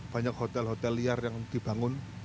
banyak hotel hotel liar yang dibangun